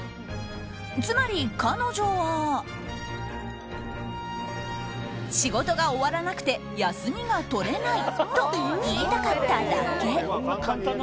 つまり彼女は仕事が終わらなくて休みが取れないと言いたかっただけ。